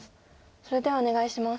それではお願いします。